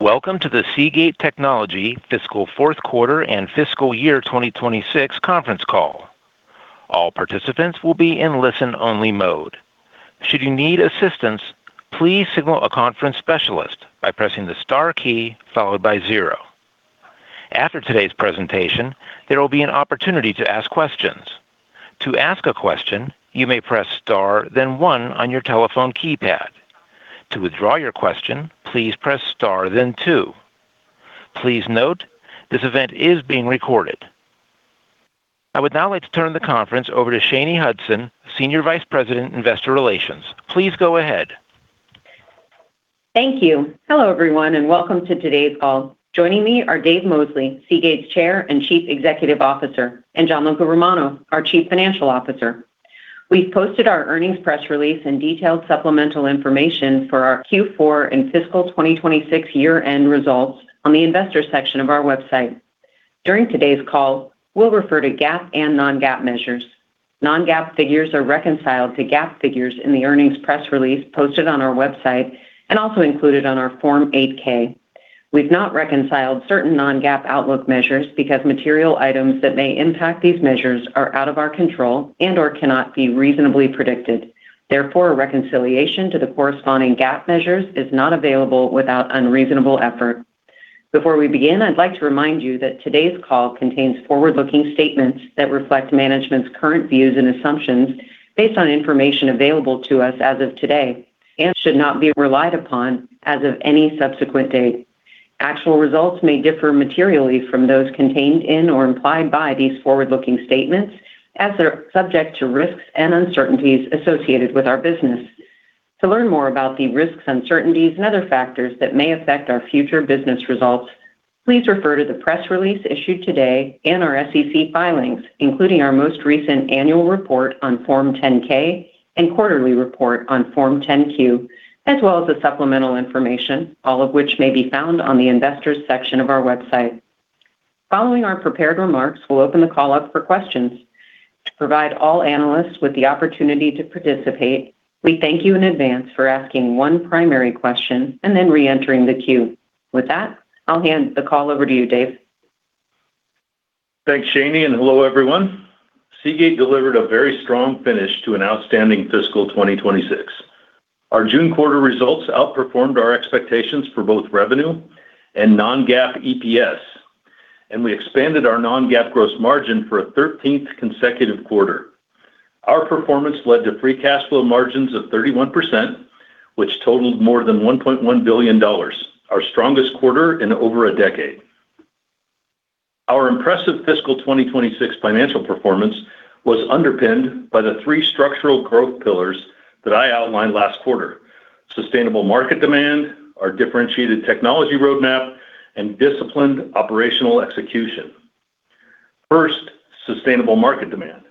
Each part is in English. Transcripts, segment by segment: Welcome to the Seagate Technology Fiscal Fourth Quarter and Fiscal Year 2026 Conference Call. All participants will be in listen-only mode. Should you need assistance, please signal a conference specialist by pressing the star key followed by zero. After today's presentation, there will be an opportunity to ask questions. To ask a question, you may press star then one on your telephone keypad. To withdraw your question, please press star then two. Please note, this event is being recorded. I would now like to turn the conference over to Shanye Hudson, Senior Vice President, Investor Relations. Please go ahead. Thank you. Hello, everyone, and welcome to today's call. Joining me are Dave Mosley, Seagate's Chair and Chief Executive Officer, and Gianluca Romano, our Chief Financial Officer. We've posted our earnings press release and detailed supplemental information for our Q4 and fiscal 2026 year-end results on the investors section of our website. During today's call, we'll refer to GAAP and non-GAAP measures. Non-GAAP figures are reconciled to GAAP figures in the earnings press release posted on our website and also included on our Form 8-K. We've not reconciled certain non-GAAP outlook measures because material items that may impact these measures are out of our control and/or cannot be reasonably predicted. Therefore, a reconciliation to the corresponding GAAP measures is not available without unreasonable effort. Before we begin, I'd like to remind you that today's call contains forward-looking statements that reflect management's current views and assumptions based on information available to us as of today and should not be relied upon as of any subsequent date. Actual results may differ materially from those contained in or implied by these forward-looking statements as they're subject to risks and uncertainties associated with our business. To learn more about the risks, uncertainties, and other factors that may affect our future business results, please refer to the press release issued today and our SEC filings, including our most recent annual report on Form 10-K and quarterly report on Form 10-Q, as well as the supplemental information, all of which may be found on the investors section of our website. Following our prepared remarks, we'll open the call up for questions. To provide all analysts with the opportunity to participate, we thank you in advance for asking one primary question and then reentering the queue. With that, I'll hand the call over to you, Dave. Thanks, Shanye, and hello, everyone. Seagate delivered a very strong finish to an outstanding fiscal 2026. Our June quarter results outperformed our expectations for both revenue and non-GAAP EPS. We expanded our non-GAAP gross margin for a 13th consecutive quarter. Our performance led to free cash flow margins of 31%, which totaled more than $1.1 billion, our strongest quarter in over a decade. Our impressive fiscal 2026 financial performance was underpinned by the three structural growth pillars that I outlined last quarter, sustainable market demand, our differentiated technology roadmap, and disciplined operational execution. First, sustainable market demand.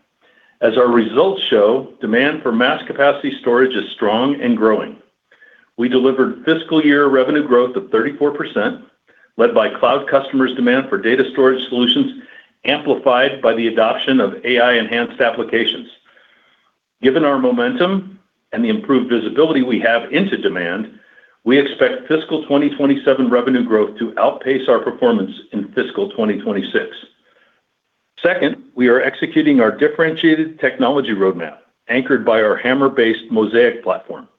As our results show, demand for mass capacity storage is strong and growing. We delivered fiscal year revenue growth of 34%, led by cloud customers' demand for data storage solutions, amplified by the adoption of AI-enhanced applications. Given our momentum and the improved visibility we have into demand, we expect fiscal 2027 revenue growth to outpace our performance in fiscal 2026. Second, we are executing our differentiated technology roadmap, anchored by our HAMR-based Mozaic platform.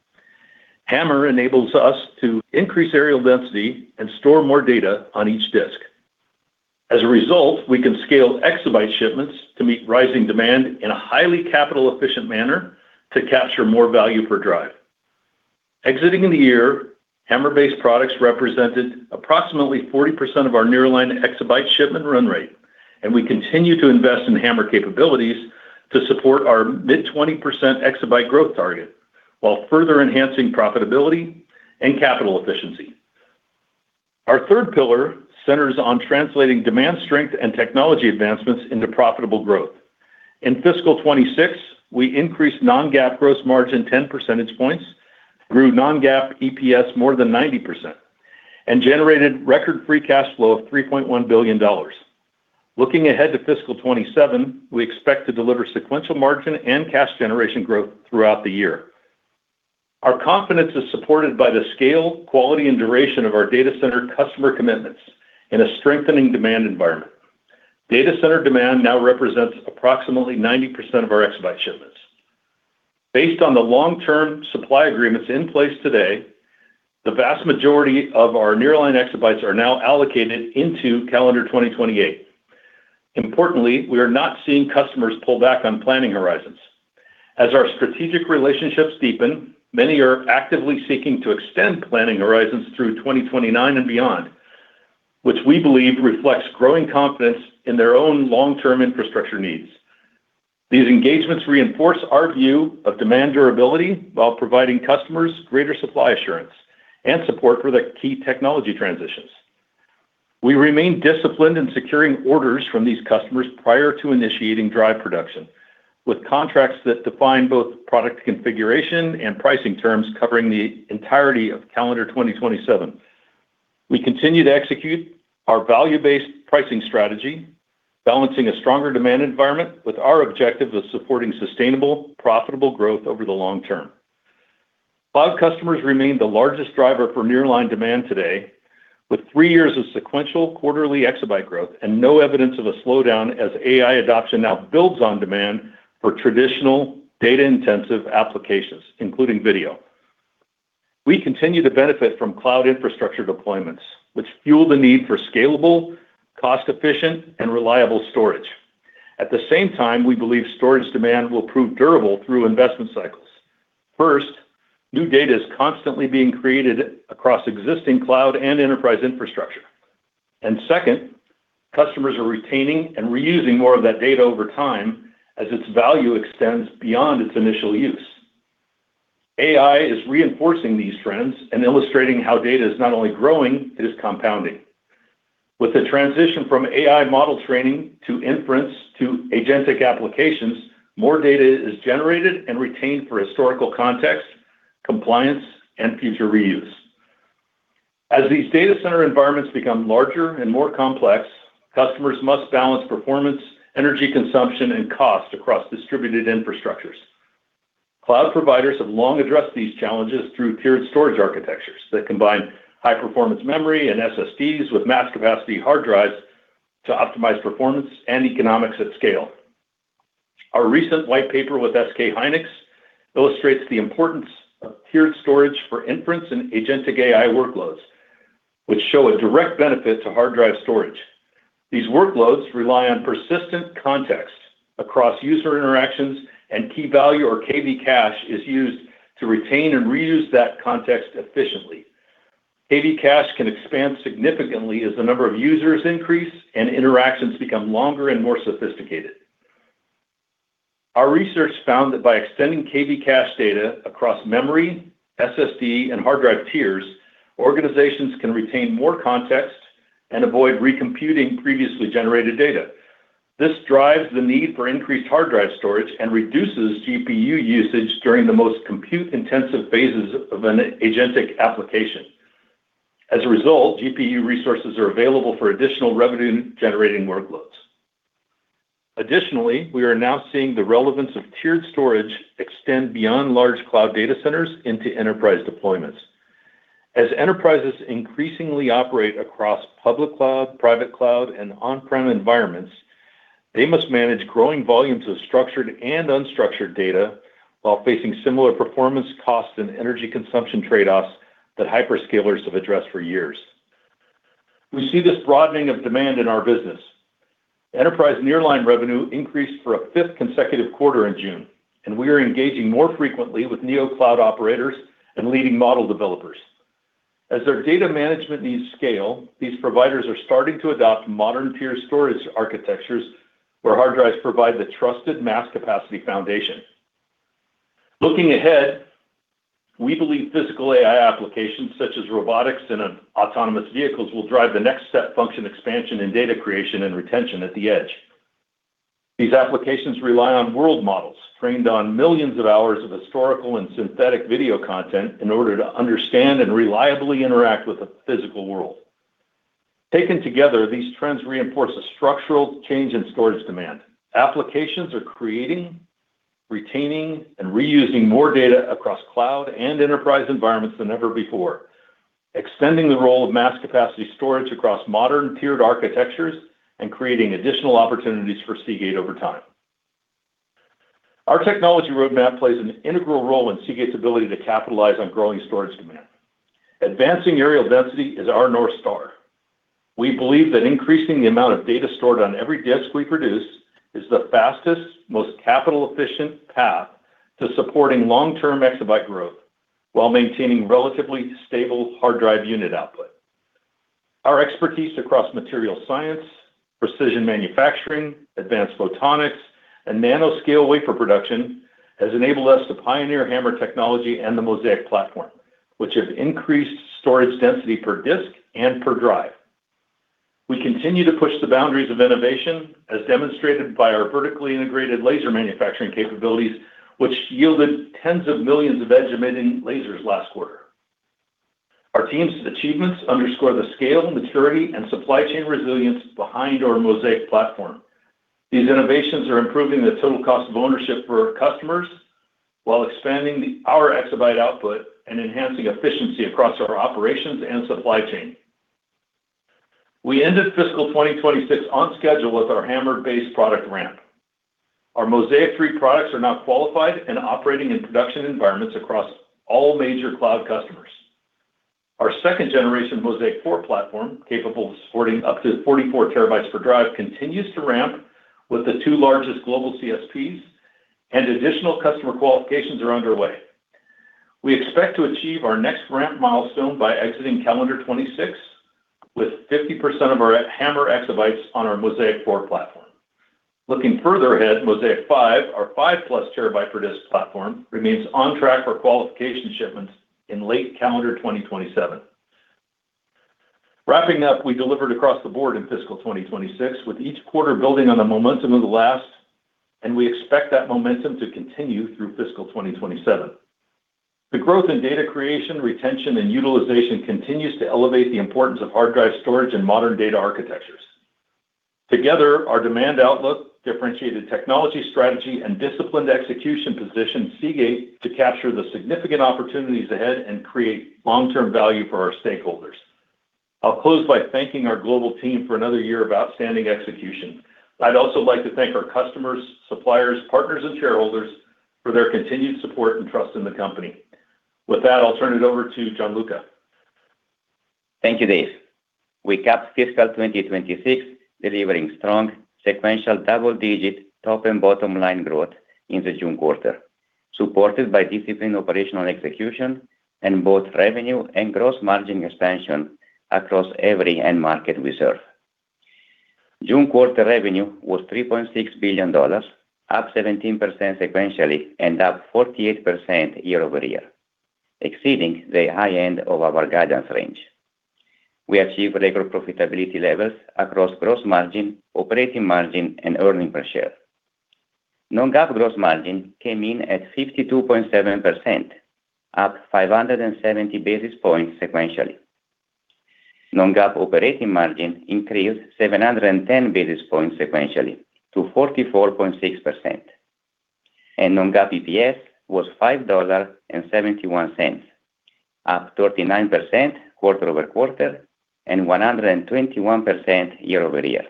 HAMR enables us to increase areal density and store more data on each disk. As a result, we can scale exabyte shipments to meet rising demand in a highly capital-efficient manner to capture more value per drive. Exiting the year, HAMR-based products represented approximately 40% of our nearline exabyte shipment run rate, and we continue to invest in HAMR capabilities to support our mid-20% exabyte growth target while further enhancing profitability and capital efficiency. Our third pillar centers on translating demand strength and technology advancements into profitable growth. In fiscal 2026, we increased non-GAAP gross margin 10 percentage points, grew non-GAAP EPS more than 90%, and generated record free cash flow of $3.1 billion. Looking ahead to fiscal 2027, we expect to deliver sequential margin and cash generation growth throughout the year. Our confidence is supported by the scale, quality, and duration of our data center customer commitments in a strengthening demand environment. Data center demand now represents approximately 90% of our exabyte shipments. Based on the long-term supply agreements in place today, the vast majority of our nearline exabytes are now allocated into calendar 2028. Importantly, we are not seeing customers pull back on planning horizons. As our strategic relationships deepen, many are actively seeking to extend planning horizons through 2029 and beyond, which we believe reflects growing confidence in their own long-term infrastructure needs. These engagements reinforce our view of demand durability while providing customers greater supply assurance and support for their key technology transitions. We remain disciplined in securing orders from these customers prior to initiating drive production, with contracts that define both product configuration and pricing terms covering the entirety of calendar 2027. We continue to execute our value-based pricing strategy, balancing a stronger demand environment with our objective of supporting sustainable, profitable growth over the long term. Cloud customers remain the largest driver for nearline demand today, with three years of sequential quarterly exabyte growth and no evidence of a slowdown as AI adoption now builds on demand for traditional data-intensive applications, including video. We continue to benefit from cloud infrastructure deployments, which fuel the need for scalable, cost-efficient, and reliable storage. At the same time, we believe storage demand will prove durable through investment cycles. First, new data is constantly being created across existing cloud and enterprise infrastructure. Second, customers are retaining and reusing more of that data over time as its value extends beyond its initial use. AI is reinforcing these trends and illustrating how data is not only growing, it is compounding. With the transition from AI model training to inference to agentic applications, more data is generated and retained for historical context, compliance, and future reuse. As these data center environments become larger and more complex, customers must balance performance, energy consumption, and cost across distributed infrastructures. Cloud providers have long addressed these challenges through tiered storage architectures that combine high-performance memory and SSDs with mass capacity hard drives to optimize performance and economics at scale. Our recent white paper with SK hynix illustrates the importance of tiered storage for inference in agentic AI workloads, which show a direct benefit to hard drive storage. These workloads rely on persistent context across user interactions, and key value, or KV cache, is used to retain and reuse that context efficiently. KV cache can expand significantly as the number of users increase and interactions become longer and more sophisticated. Our research found that by extending KV cache data across memory, SSD, and hard drive tiers, organizations can retain more context and avoid recomputing previously generated data. This drives the need for increased hard drive storage and reduces GPU usage during the most compute-intensive phases of an agentic application. As a result, GPU resources are available for additional revenue-generating workloads. Additionally, we are now seeing the relevance of tiered storage extend beyond large cloud data centers into enterprise deployments. As enterprises increasingly operate across public cloud, private cloud, and on-prem environments, they must manage growing volumes of structured and unstructured data while facing similar performance costs and energy consumption trade-offs that hyperscalers have addressed for years. We see this broadening of demand in our business. Enterprise nearline revenue increased for a fifth consecutive quarter in June. We are engaging more frequently with Neocloud operators and leading model developers. As their data management needs scale, these providers are starting to adopt modern tier storage architectures where hard drives provide the trusted mass capacity foundation. Looking ahead, we believe physical AI applications such as robotics and autonomous vehicles will drive the next step function expansion in data creation and retention at the edge. These applications rely on world models trained on millions of hours of historical and synthetic video content in order to understand and reliably interact with the physical world. Taken together, these trends reinforce a structural change in storage demand. Applications are creating, retaining, and reusing more data across cloud and enterprise environments than ever before, extending the role of mass capacity storage across modern tiered architectures and creating additional opportunities for Seagate over time. Our technology roadmap plays an integral role in Seagate's ability to capitalize on growing storage demand. Advancing areal density is our North Star. We believe that increasing the amount of data stored on every disk we produce is the fastest, most capital-efficient path to supporting long-term exabyte growth while maintaining relatively stable hard drive unit output. Our expertise across material science, precision manufacturing, advanced photonics, and nanoscale wafer production has enabled us to pioneer HAMR technology and the Mozaic platform, which have increased storage density per disk and per drive. We continue to push the boundaries of innovation, as demonstrated by our vertically integrated laser manufacturing capabilities, which yielded tens of millions of edge-emitting lasers last quarter. Our team's achievements underscore the scale, maturity, and supply chain resilience behind our Mozaic platform. These innovations are improving the total cost of ownership for our customers while expanding our exabyte output and enhancing efficiency across our operations and supply chain. We ended fiscal 2026 on schedule with our HAMR-based product ramp. Our Mozaic 3+ products are now qualified and operating in production environments across all major cloud customers. Our second generation Mozaic 4+ platform, capable of supporting up to 44 TB per drive, continues to ramp with the two largest global CSPs and additional customer qualifications are underway. We expect to achieve our next ramp milestone by exiting calendar 2026 with 50% of our HAMR exabytes on our Mozaic 4+ platform. Looking further ahead, Mozaic 5+, our 5+ TB per disk platform, remains on track for qualification shipments in late calendar 2027. Wrapping up, we delivered across the board in fiscal 2026, with each quarter building on the momentum of the last, and we expect that momentum to continue through fiscal 2027. The growth in data creation, retention, and utilization continues to elevate the importance of hard drive storage and modern data architectures. Together, our demand outlook, differentiated technology strategy, and disciplined execution position Seagate to capture the significant opportunities ahead and create long-term value for our stakeholders. I'll close by thanking our global team for another year of outstanding execution. I'd also like to thank our customers, suppliers, partners, and shareholders for their continued support and trust in the company. With that, I'll turn it over to Gianluca. Thank you, Dave. We capped fiscal 2026 delivering strong sequential double-digit top and bottom-line growth in the June quarter, supported by disciplined operational execution in both revenue and gross margin expansion across every end market we serve. June quarter revenue was $3.6 billion, up 17% sequentially and up 48% year-over-year, exceeding the high end of our guidance range. We achieved record profitability levels across gross margin, operating margin, and earnings per share. Non-GAAP gross margin came in at 52.7%, up 570 basis points sequentially. Non-GAAP operating margin increased 710 basis points sequentially to 44.6%, and Non-GAAP EPS was $5.71, up 39% quarter-over-quarter and 121% year-over-year,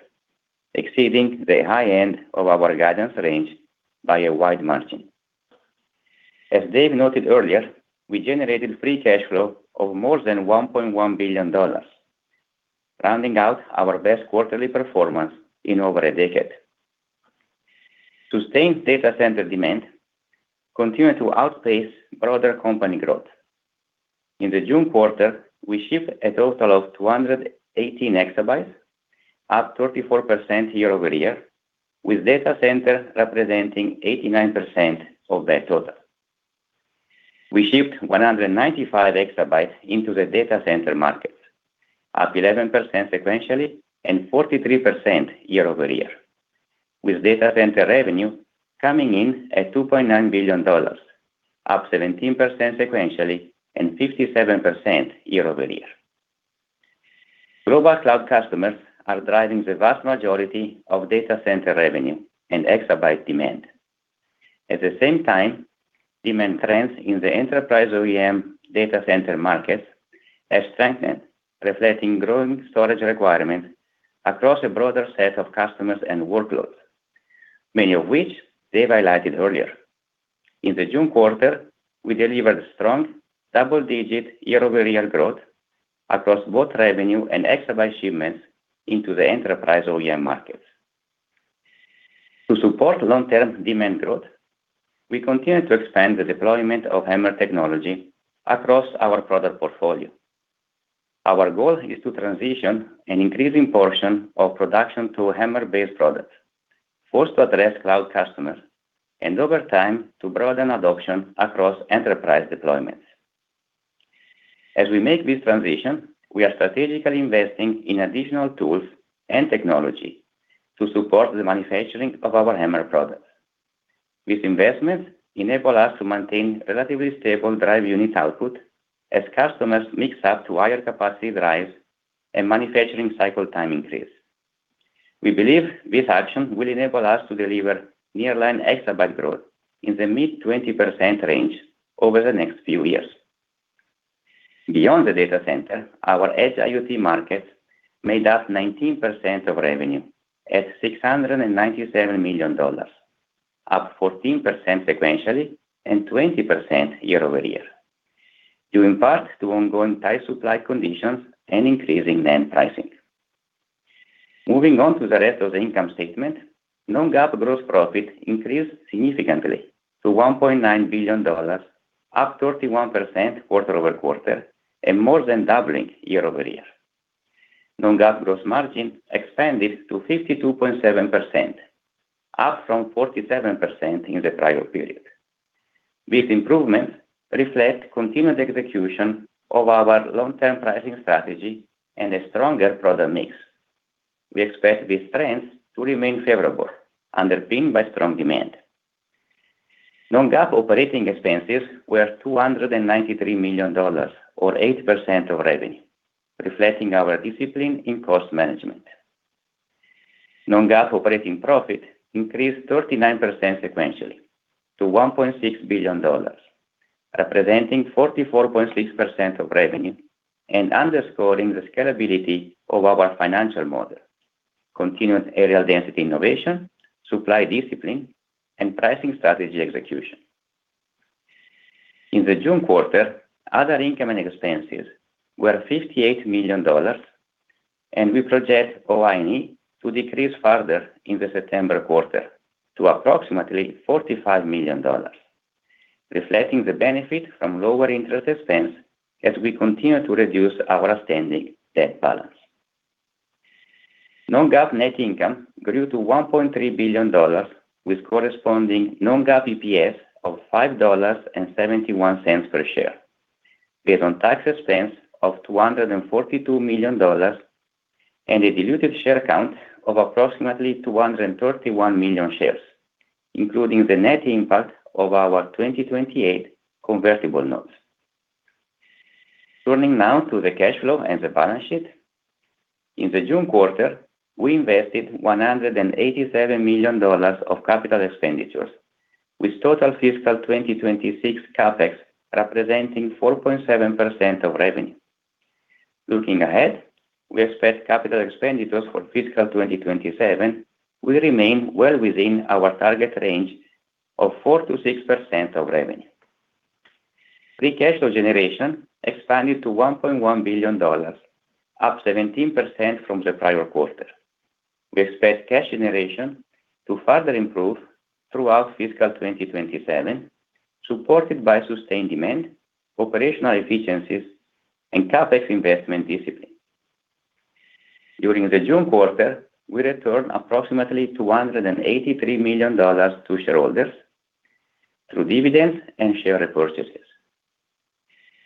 exceeding the high end of our guidance range by a wide margin. As Dave noted earlier, we generated free cash flow of more than $1.1 billion, rounding out our best quarterly performance in over a decade. Sustained data center demand continued to outpace broader company growth. In the June quarter, we shipped a total of 218 EB, up 34% year-over-year, with data center representing 89% of that total. We shipped 195 EB into the data center market, up 11% sequentially and 43% year-over-year, with data center revenue coming in at $2.9 billion, up 17% sequentially and 57% year-over-year. Global cloud customers are driving the vast majority of data center revenue and exabyte demand. At the same time, demand trends in the enterprise OEM data center markets have strengthened, reflecting growing storage requirements across a broader set of customers and workloads, many of which Dave highlighted earlier. In the June quarter, we delivered strong double-digit year-over-year growth across both revenue and exabyte shipments into the enterprise OEM markets. To support long-term demand growth, we continue to expand the deployment of HAMR technology across our product portfolio. Our goal is to transition an increasing portion of production to HAMR-based products, first to address cloud customers, and over time, to broaden adoption across enterprise deployments. As we make this transition, we are strategically investing in additional tools and technology to support the manufacturing of our HAMR products. These investments enable us to maintain relatively stable drive unit output as customers mix up to higher capacity drives and manufacturing cycle time increase. We believe this action will enable us to deliver near-line exabyte growth in the mid-20% range over the next few years. Beyond the data center, our edge IoT market made up 19% of revenue at $697 million, up 14% sequentially and 20% year-over-year, due in part to ongoing tight supply conditions and increasing NAND pricing. Moving on to the rest of the income statement, non-GAAP gross profit increased significantly to $1.9 billion, up 31% quarter-over-quarter and more than doubling year-over-year. Non-GAAP gross margin expanded to 52.7%, up from 47% in the prior period. These improvements reflect continued execution of our long-term pricing strategy and a stronger product mix. We expect these trends to remain favorable, underpinned by strong demand. Non-GAAP operating expenses were $293 million, or 8% of revenue, reflecting our discipline in cost management. Non-GAAP operating profit increased 39% sequentially to $1.6 billion, representing 44.6% of revenue, and underscoring the scalability of our financial model, continued areal density innovation, supply discipline, and pricing strategy execution. In the June quarter, other income and expenses were $58 million, and we project OIE to decrease further in the September quarter to approximately $45 million, reflecting the benefit from lower interest expense as we continue to reduce our outstanding debt balance. Non-GAAP net income grew to $1.3 billion with corresponding non-GAAP EPS of $5.71 per share. Based on tax expense of $242 million and a diluted share count of approximately 231 million shares, including the net impact of our 2028 convertible notes. Turning now to the cash flow and the balance sheet. In the June quarter, we invested $187 million of capital expenditures, with total fiscal 2026 CapEx representing 4.7% of revenue. Looking ahead, we expect capital expenditures for fiscal 2027 will remain well within our target range of 4%-6% of revenue. Free cash flow generation expanded to $1.1 billion, up 17% from the prior quarter. We expect cash generation to further improve throughout fiscal 2027, supported by sustained demand, operational efficiencies, and CapEx investment discipline. During the June quarter, we returned approximately $283 million to shareholders through dividends and share repurchases.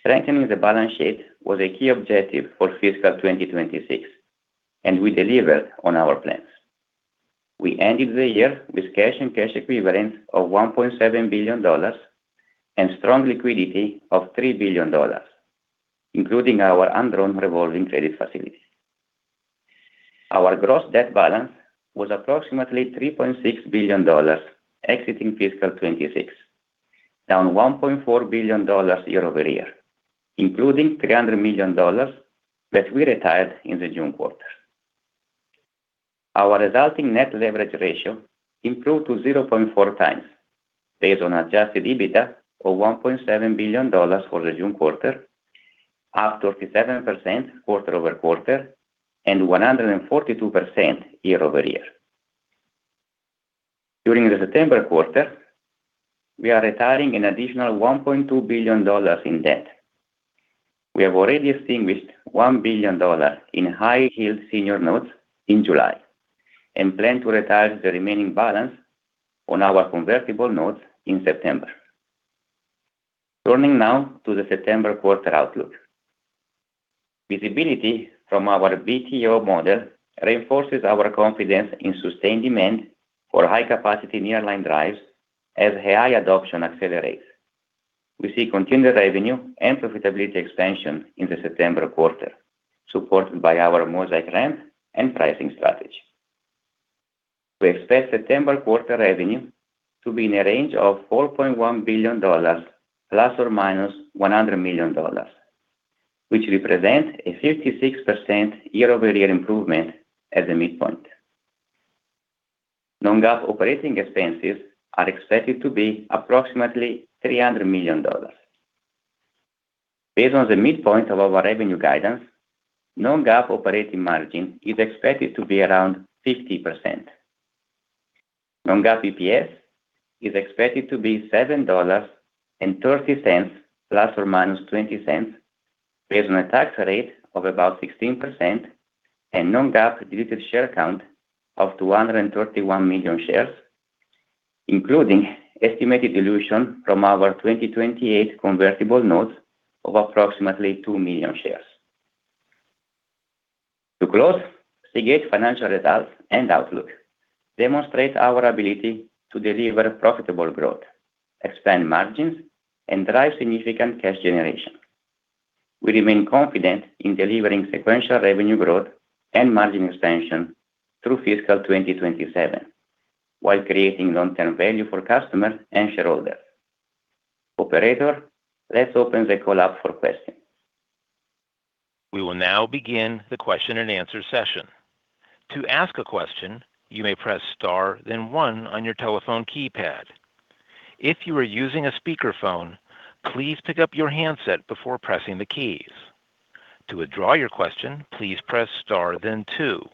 Strengthening the balance sheet was a key objective for fiscal 2026, and we delivered on our plans. We ended the year with cash and cash equivalents of $1.7 billion and strong liquidity of $3 billion, including our undrawn revolving credit facility. Our gross debt balance was approximately $3.6 billion exiting fiscal 2026, down $1.4 billion year-over-year, including $300 million that we retired in the June quarter. Our resulting net leverage ratio improved to 0.4x, based on adjusted EBITDA of $1.7 billion for the June quarter, up 37% quarter-over-quarter and 142% year-over-year. During the September quarter, we are retiring an additional $1.2 billion in debt. We have already extinguished $1 billion in high-yield senior notes in July and plan to retire the remaining balance on our convertible notes in September. Turning now to the September quarter outlook. Visibility from our BTO model reinforces our confidence in sustained demand for high-capacity nearline drives as AI adoption accelerates. We see continued revenue and profitability expansion in the September quarter, supported by our Mozaic ramp and pricing strategy. We expect September quarter revenue to be in a range of $4.1 billion ± $100 million, which represents a 56% year-over-year improvement at the midpoint. Non-GAAP operating expenses are expected to be approximately $300 million. Based on the midpoint of our revenue guidance, non-GAAP operating margin is expected to be around 50%. Non-GAAP EPS is expected to be $7.30 ± $0.20, based on a tax rate of about 16% and non-GAAP diluted share count of 231 million shares, including estimated dilution from our 2028 convertible notes of approximately 2 million shares. To close, Seagate financial results and outlook demonstrate our ability to deliver profitable growth, expand margins, and drive significant cash generation. We remain confident in delivering sequential revenue growth and margin expansion through fiscal 2027, while creating long-term value for customers and shareholders. Operator, let's open the call up for questions. We will now begin the question-and-answer session. To ask a question, you may press star then one on your telephone keypad. If you are using a speakerphone, please pick up your handset before pressing the keys. To withdraw your question, please press star then two.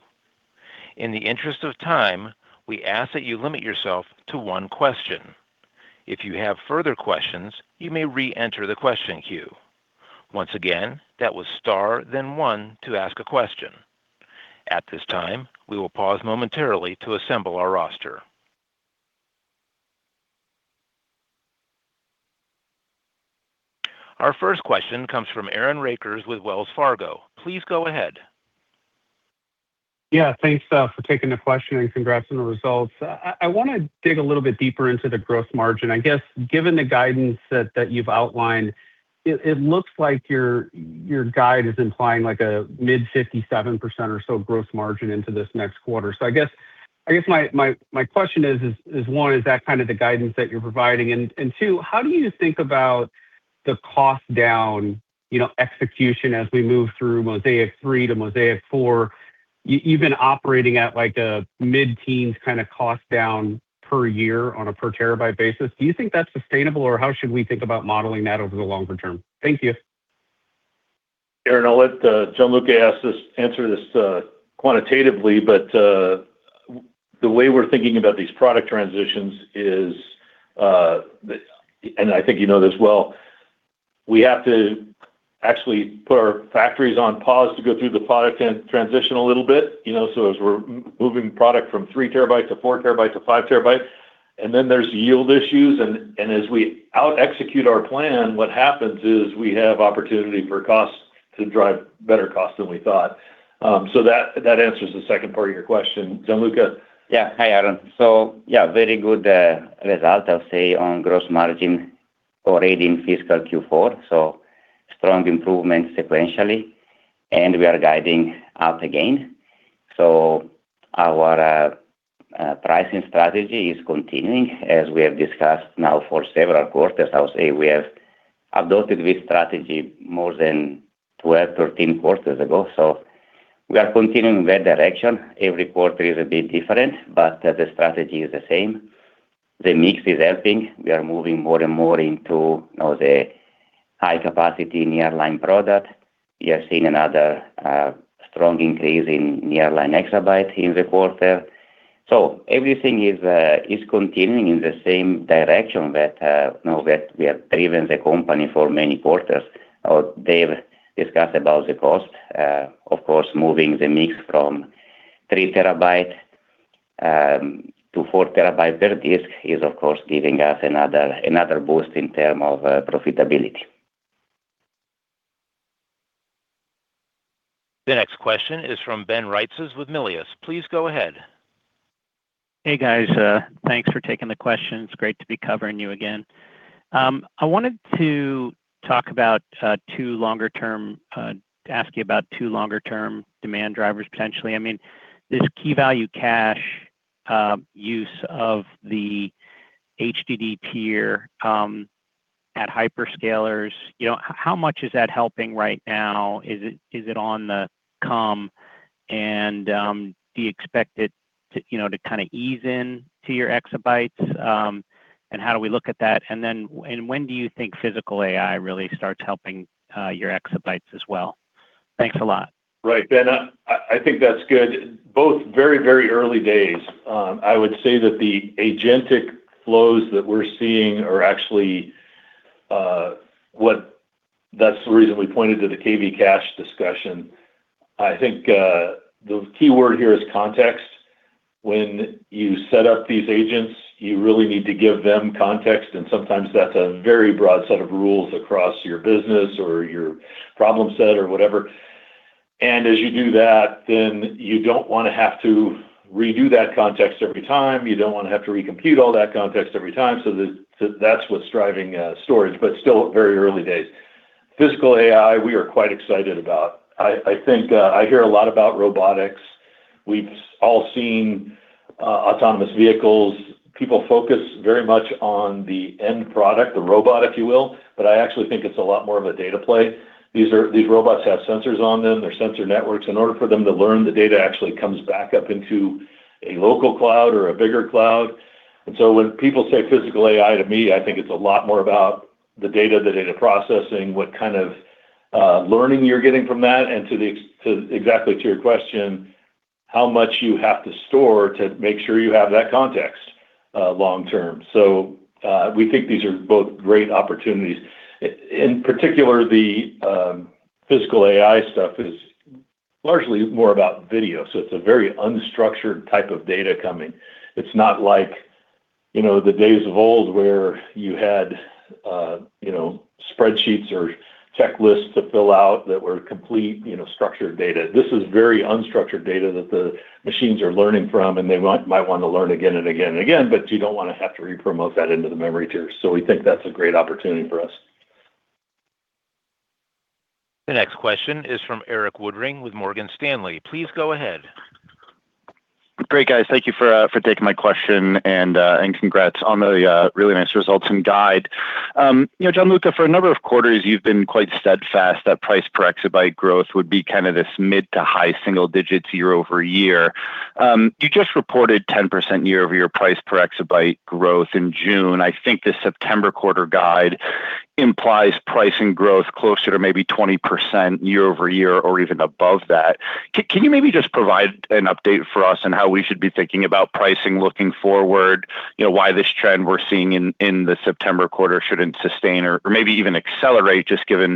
In the interest of time, we ask that you limit yourself to one question. If you have further questions, you may re-enter the question queue. Our first question comes from Aaron Rakers with Wells Fargo. Please go ahead. Thanks for taking the question, and congrats on the results. I want to dig a little bit deeper into the gross margin. I guess given the guidance that you've outlined, it looks like your guide is implying a mid-57% or so gross margin into this next quarter. I guess my question is, one, is that kind of the guidance that you're providing? Two, how do you think about the cost down execution as we move through Mozaic 3+ to Mozaic 4+, you've been operating at a mid-teens kind of cost down per year on a per terabyte basis. Do you think that's sustainable, or how should we think about modeling that over the longer term? Thank you. Aaron, I'll let Gianluca answer this quantitatively, but the way we're thinking about these product transitions is, and I think you know this well, we have to actually put our factories on pause to go through the product transition a little bit. As we're moving product from 3 TB to 4 TB to 5 TB. Then there's yield issues, and as we out-execute our plan, what happens is we have opportunity for costs to drive better costs than we thought. That answers the second part of your question. Gianluca? Hi, Aaron. Very good result, I'll say, on gross margin or AD in fiscal Q4, strong improvement sequentially, and we are guiding up again. Our pricing strategy is continuing, as we have discussed now for several quarters. I would say we have adopted this strategy more than 12, 13 quarters ago. We are continuing that direction. Every quarter is a bit different, but the strategy is the same. The mix is helping. We are moving more and more into the high-capacity nearline product. We are seeing another strong increase in nearline exabytes in the quarter. Everything is continuing in the same direction that we have driven the company for many quarters. Dave discussed about the cost. Of course, moving the mix from 3 TB to 4 TB per disk is, of course, giving us another boost in terms of profitability. The next question is from Ben Reitzes with Melius Research. Please go ahead. Hey, guys. Thanks for taking the question. It's great to be covering you again. I wanted to ask you about two longer term demand drivers, potentially. I mean, this KV cache use of the HDD tier at hyperscalers, how much is that helping right now? Is it on the come, and do you expect it to ease in to your exabytes? How do we look at that? When do you think physical AI really starts helping your exabytes as well? Thanks a lot. Right. Ben, I think that's good. Both very early days. I would say that the agentic flows that we're seeing are actually that's the reason we pointed to the KV cache discussion. I think the key word here is context. When you set up these agents, you really need to give them context, and sometimes that's a very broad set of rules across your business or your problem set or whatever. As you do that, then you don't want to have to redo that context every time. You don't want to have to recompute all that context every time. That's what's driving storage, but still at very early days. Physical AI, we are quite excited about. I think I hear a lot about robotics. We've all seen autonomous vehicles. People focus very much on the end product, the robot, if you will. I actually think it's a lot more of a data play. These robots have sensors on them. They're sensor networks. In order for them to learn, the data actually comes back up into a local cloud or a bigger cloud. When people say physical AI to me, I think it's a lot more about the data, the data processing, what kind of learning you're getting from that, and exactly to your question, how much you have to store to make sure you have that context long term. We think these are both great opportunities. In particular, the physical AI stuff is largely more about video, so it's a very unstructured type of data coming. It's not like the days of old where you had spreadsheets or checklists to fill out that were complete structured data. This is very unstructured data that the machines are learning from, and they might want to learn again and again and again, but you don't want to have to repromote that into the memory tier. We think that's a great opportunity for us. The next question is from Erik Woodring with Morgan Stanley. Please go ahead. Great, guys. Thank you for taking my question, and congrats on the really nice results and guide. Gianluca, for a number of quarters, you've been quite steadfast that price per exabyte growth would be this mid to high single digits year-over-year. You just reported 10% year-over-year price per exabyte growth in June. I think the September quarter guide implies pricing growth closer to maybe 20% year-over-year or even above that. Can you maybe just provide an update for us on how we should be thinking about pricing looking forward? Why this trend we're seeing in the September quarter shouldn't sustain or maybe even accelerate, just given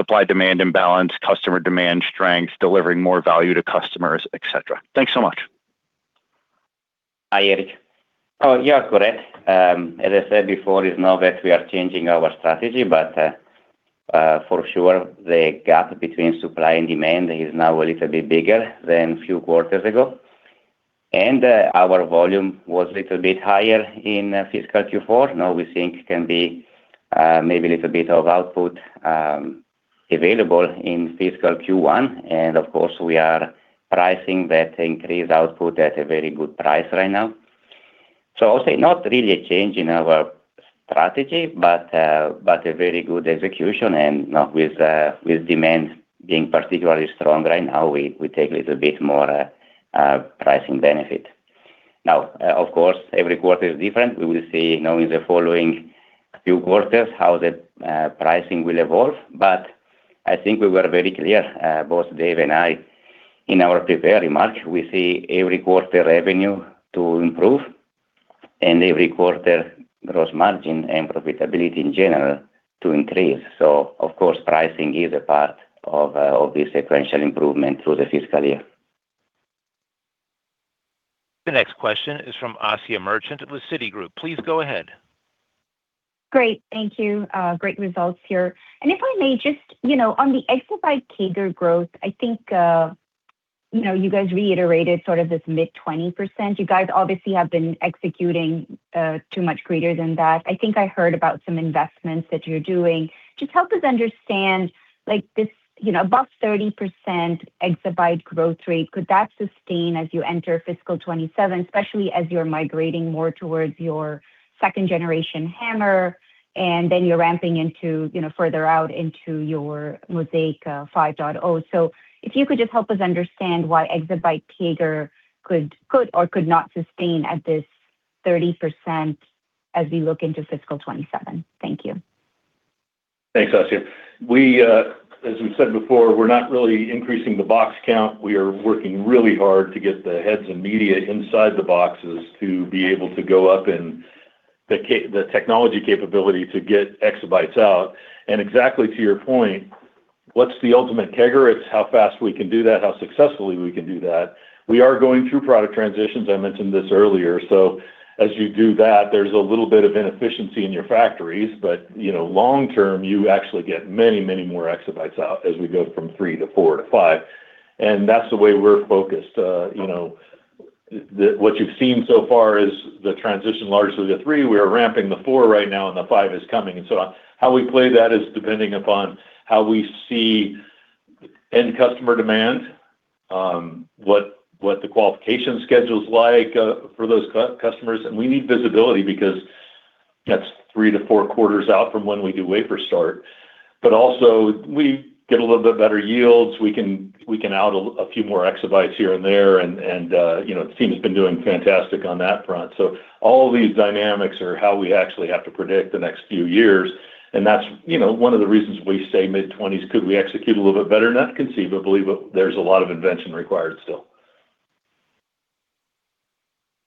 supply-demand imbalance, customer demand strength, delivering more value to customers, et cetera. Thanks so much. Hi, Erik. You are correct. As I said before, it's not that we are changing our strategy, but for sure, the gap between supply and demand is now a little bit bigger than a few quarters ago. Our volume was little bit higher in fiscal Q4. We think can be maybe a little bit of output available in fiscal Q1. Of course, we are pricing that increased output at a very good price right now. I'll say not really a change in our strategy, but a very good execution. Now with demand being particularly strong right now, we take a little bit more pricing benefit. Of course, every quarter is different. We will see now in the following few quarters how the pricing will evolve. I think we were very clear both Dave and I in our prepared remarks, we see every quarter revenue to improve and every quarter gross margin and profitability in general to increase. Of course, pricing is a part of this sequential improvement through the fiscal year. The next question is from Asiya Merchant with Citigroup. Please go ahead. Great. Thank you. Great results here. If I may just, on the exabyte CAGR growth, I think you guys reiterated sort of this mid-20%. You guys obviously have been executing too much greater than that. I think I heard about some investments that you're doing. Just help us understand, above 30% exabyte growth rate, could that sustain as you enter fiscal 2027, especially as you're migrating more towards your second-generation HAMR and then you're ramping further out into your Mozaic 5+? If you could just help us understand why exabyte CAGR could or could not sustain at this 30% as we look into fiscal 2027. Thank you. Thanks, Asiya. We said before, we're not really increasing the box count. We are working really hard to get the heads and media inside the boxes to be able to go up and the technology capability to get exabytes out. Exactly to your point, what's the ultimate CAGR? It's how fast we can do that, how successfully we can do that. We are going through product transitions. I mentioned this earlier. As you do that, there's a little bit of inefficiency in your factories. Long term, you actually get many, many more exabytes out as we go from Mozaic 3+ to Mozaic 4+ to Mozaic 5+. That's the way we're focused. What you've seen so far is the transition largely to Mozaic 3+. We are ramping the Mozaic 4+ right now, and the Mozaic 5+ is coming and so on. How we play that is depending upon how we see end customer demand, what the qualification schedule is like for those customers. We need visibility because that's three to four quarters out from when we do wafer start. Also, we get a little bit better yields. We can out a few more exabytes here and there, and the team has been doing fantastic on that front. All these dynamics are how we actually have to predict the next few years, and that's one of the reasons we say mid-20s. Could we execute a little bit better? Conceivably, there's a lot of invention required still.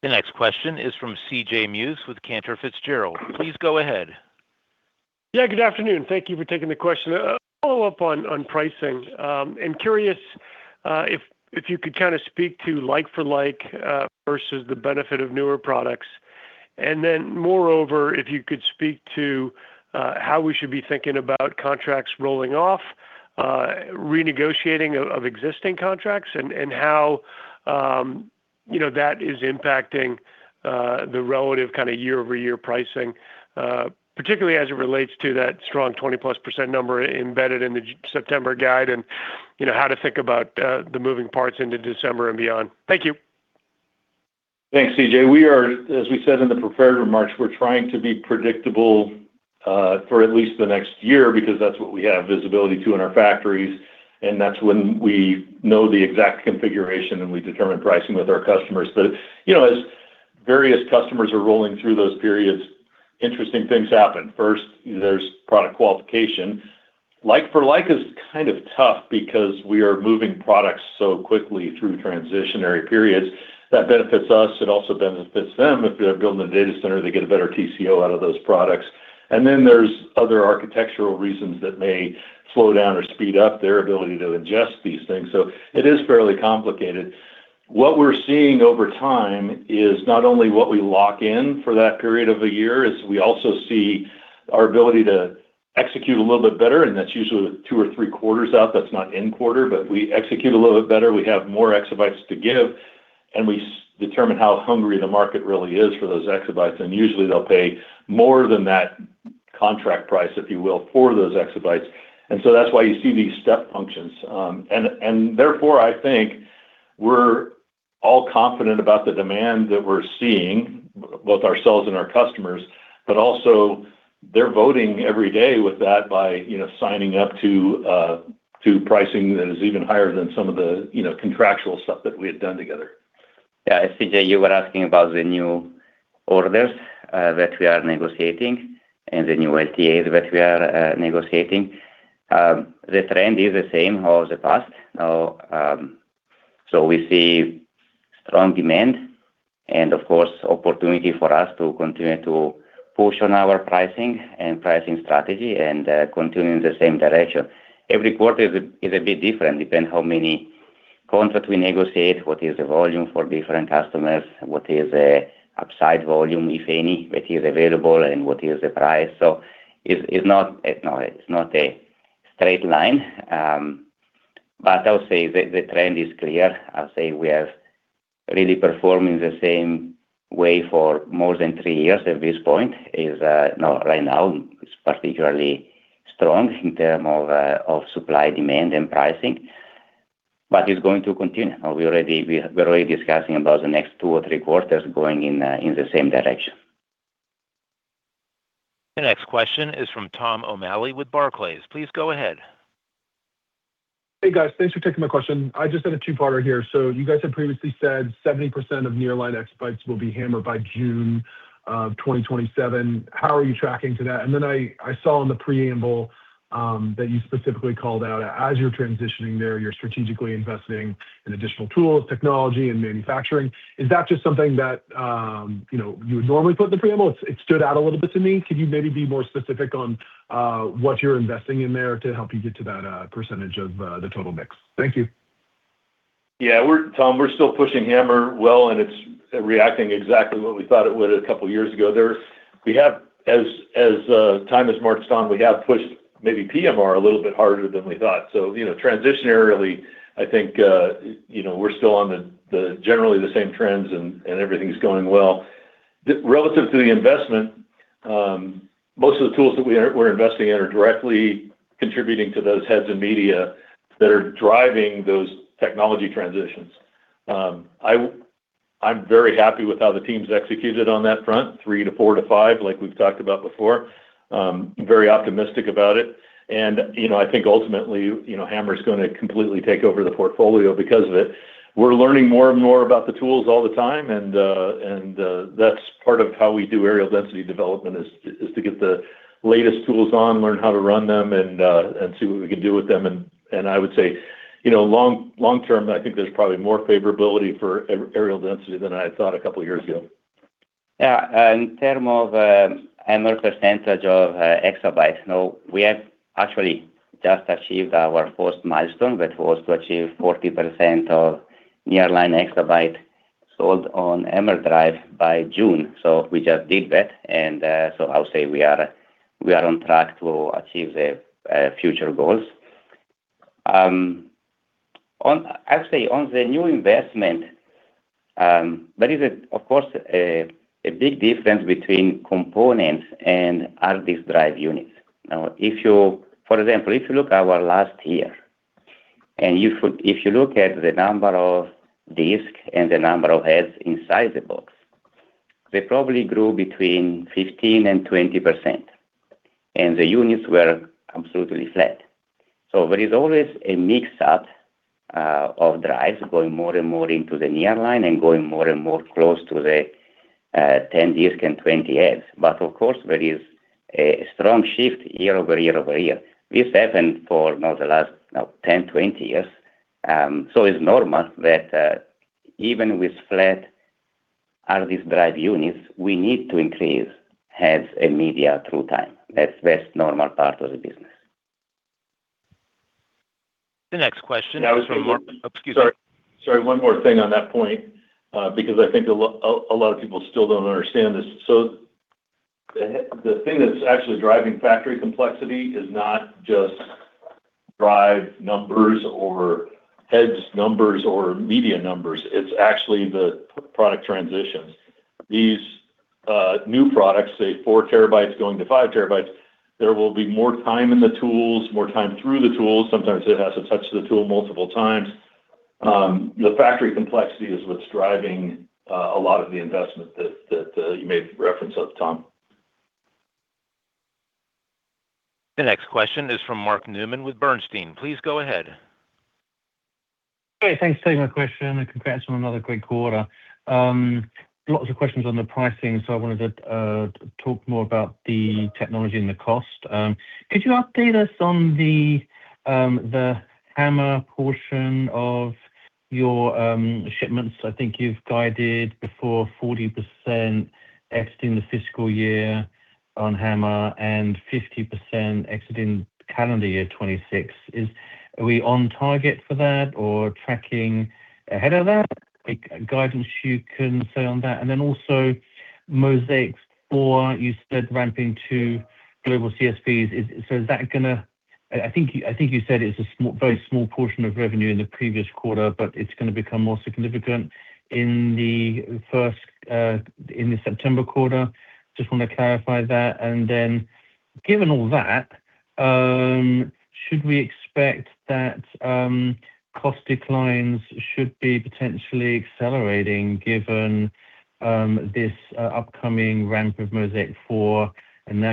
The next question is from C.J. Muse with Cantor Fitzgerald. Please go ahead. Yeah, good afternoon. Thank you for taking the question. A follow-up on pricing. I'm curious if you could speak to like-for-like versus the benefit of newer products. Moreover, if you could speak to how we should be thinking about contracts rolling off, renegotiating of existing contracts, and how that is impacting the relative year-over-year pricing, particularly as it relates to that strong 20+% number embedded in the September guide, and how to think about the moving parts into December and beyond. Thank you. Thanks, C.J. We are, as we said in the prepared remarks, we're trying to be predictable for at least the next year because that's what we have visibility to in our factories, and that's when we know the exact configuration, and we determine pricing with our customers. As various customers are rolling through those periods, interesting things happen. First, there's product qualification. Like-for-like is kind of tough because we are moving products so quickly through transitionary periods. That benefits us. It also benefits them. If they're building a data center, they get a better TCO out of those products. There's other architectural reasons that may slow down or speed up their ability to ingest these things. It is fairly complicated. What we're seeing over time is not only what we lock in for that period of a year, is we also see our ability to execute a little bit better, and that's usually two or three quarters out. That's not in quarter. We execute a little bit better. We have more exabytes to give, and we determine how hungry the market really is for those exabytes, and usually they'll pay more than that contract price, if you will, for those exabytes. That's why you see these step functions. Therefore, I think we're all confident about the demand that we're seeing, both ourselves and our customers. Also they're voting every day with that by signing up to pricing that is even higher than some of the contractual stuff that we had done together. C.J., you were asking about the new orders that we are negotiating and the new LTAs that we are negotiating. The trend is the same as the past. We see strong demand and, of course, opportunity for us to continue to push on our pricing and pricing strategy and continue in the same direction. Every quarter is a bit different, depending how many contracts we negotiate, what is the volume for different customers, what is the upside volume, if any, that is available, and what is the price. It's not a straight line. I'll say the trend is clear. I'll say we have really performed in the same way for more than three years at this point, right now is particularly strong in term of supply, demand, and pricing. It's going to continue. We're already discussing about the next two or three quarters going in the same direction. The next question is from Tom O'Malley with Barclays. Please go ahead. Hey, guys. Thanks for taking my question. I just have a two-parter here. You guys had previously said 70% of nearline exabytes will be HAMR by June of 2027. How are you tracking to that? I saw in the preamble that you specifically called out, as you're transitioning there, you're strategically investing in additional tools, technology, and manufacturing. Is that just something that you would normally put in the preamble? It stood out a little bit to me. Could you maybe be more specific on what you're investing in there to help you get to that percentage of the total mix? Thank you. Tom, we're still pushing HAMR well, and it's reacting exactly the way we thought it would a couple of years ago. As time has marched on, we have pushed maybe PMR a little bit harder than we thought. Transitionarily, I think we're still on the generally the same trends and everything's going well. Relative to the investment, most of the tools that we're investing in are directly contributing to those heads and media that are driving those technology transitions. I'm very happy with how the team's executed on that front, 3 TB to 4 TB to 5 TB, like we've talked about before. I'm very optimistic about it. Ultimately, HAMR's going to completely take over the portfolio because of it. We're learning more and more about the tools all the time, and that's part of how we do areal density development, is to get the latest tools on, learn how to run them, and see what we can do with them. I would say, long-term, I think there's probably more favorability for areal density than I thought a couple of years ago. Yeah. In term of HAMR percentage of exabytes, now we have actually just achieved our first milestone, that was to achieve 40% of nearline exabyte sold on HAMR drive by June. We just did that. I'll say we are on track to achieve the future goals. Actually, on the new investment, there is of course a big difference between components and RD drive units. Now, for example, if you look our last year, and if you look at the number of disk and the number of heads inside the box, they probably grew between 15% and 20%, and the units were absolutely flat. There is always a mix-up of drives going more and more into the nearline and going more and more close to the 10 disc and 20 heads. Of course, there is a strong shift year-over-year. This happened for now the last 10, 22 years. It's normal that even with flat RD drive units, we need to increase heads and media through time. That's normal part of the business. Sorry, one more thing on that point, because I think a lot of people still don't understand this. The thing that's actually driving factory complexity is not just drive numbers or heads numbers or media numbers, it's actually the product transitions. These new products, say 4 TB going to 5 TB, there will be more time in the tools, more time through the tools. Sometimes it has to touch the tool multiple times. The factory complexity is what's driving a lot of the investment that you made reference of, Tom. The next question is from Mark Newman with Bernstein. Please go ahead. Great. Thanks for taking my question, and congrats on another great quarter. Lots of questions on the pricing, so I wanted to talk more about the technology and the cost. Could you update us on the HAMR portion of your shipments? I think you've guided before 40% exiting the fiscal year on HAMR and 50% exiting calendar year 2026. Are we on target for that or tracking ahead of that? A guidance you can say on that? And then also Mozaic 4+, you said ramping to global CSPs. I think you said it's a very small portion of revenue in the previous quarter, but it's going to become more significant in the September quarter. Just want to clarify that. Should we expect that cost declines should be potentially accelerating given this upcoming ramp of Mozaic 4+, and now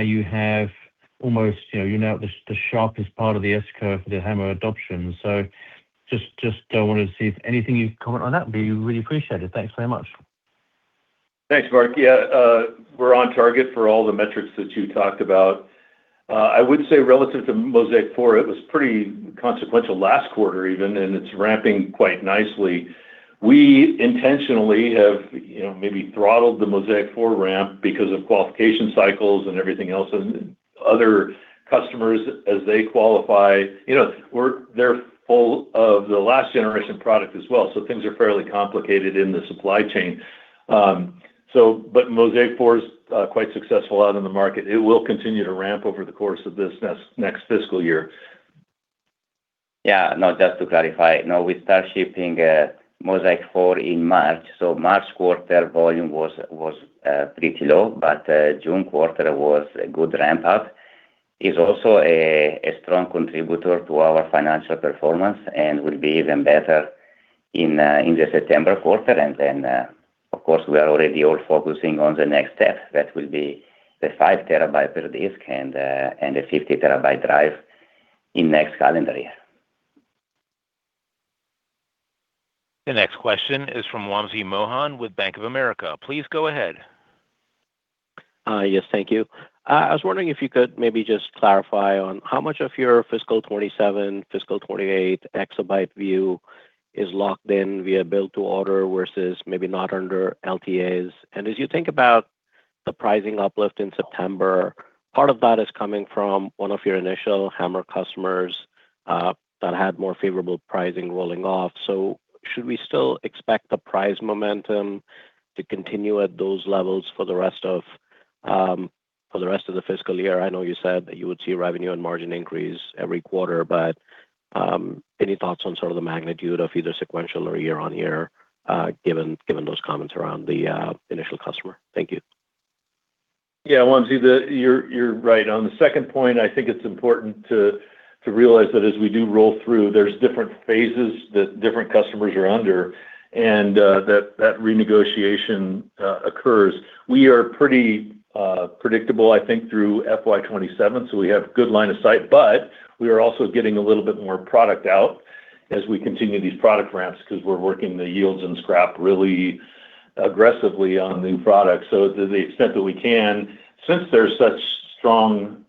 you're at the sharpest part of the S-curve for the HAMR adoption. Just wanted to see if anything you can comment on that would be really appreciated. Thanks so much. Thanks, Mark. We're on target for all the metrics that you talked about. I would say relative to Mozaic 4+, it was pretty consequential last quarter even, and it's ramping quite nicely. We intentionally have maybe throttled the Mozaic 4+ ramp because of qualification cycles and everything else, and other customers as they qualify. They're full of the last generation product as well, so things are fairly complicated in the supply chain. Mozaic 4+ is quite successful out in the market. It will continue to ramp over the course of this next fiscal year. Yeah. No, just to clarify, no, we start shipping Mozaic 4+ in March. March quarter volume was pretty low, but June quarter was a good ramp up. It is also a strong contributor to our financial performance and will be even better in the September quarter. Of course, we are already all focusing on the next step. That will be the 5 TB per disk and the 50 TB drive in next calendar year. The next question is from Wamsi Mohan with Bank of America. Please go ahead. Yes. Thank you. I was wondering if you could maybe just clarify on how much of your fiscal 2027, fiscal 2028 exabyte view is locked in via build to order versus maybe not under LTAs? As you think about The pricing uplift in September, part of that is coming from one of your initial HAMR customers that had more favorable pricing rolling off. Should we still expect the price momentum to continue at those levels for the rest of the fiscal year? I know you said that you would see revenue and margin increase every quarter, any thoughts on the magnitude of either sequential or year-over-year, given those comments around the initial customer? Thank you. Yeah, Wamsi, you're right. On the second point, I think it's important to realize that as we do roll through, there's different phases that different customers are under and that renegotiation occurs. We are pretty predictable, I think, through FY 2027, we have good line of sight. We are also getting a little bit more product out as we continue these product ramps because we're working the yields and scrap really aggressively on new products. To the extent that we can, since there's such strong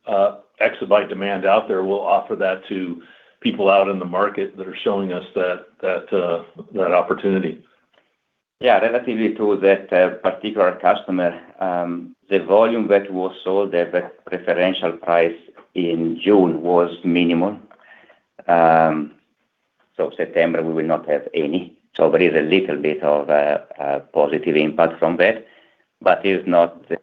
exabyte demand out there, we'll offer that to people out in the market that are showing us that opportunity. Yeah, relatively to that particular customer, the volume that was sold at the preferential price in June was minimal. September, we will not have any. There is a little bit of a positive impact from that, it is not the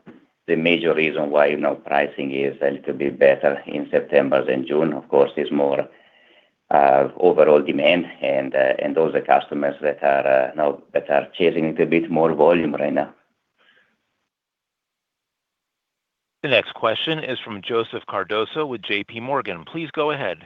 major reason why pricing is a little bit better in September than June. Of course, there's more overall demand and those are customers that are chasing a little bit more volume right now. The next question is from Joseph Cardoso with JPMorgan. Please go ahead.